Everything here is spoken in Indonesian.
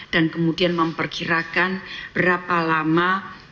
dan kemudian memperkirakan berapa lama